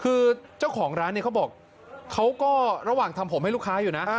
คือเจ้าของร้านเนี่ยเขาบอกเขาก็ระหว่างทำผมให้ลูกค้าอยู่นะ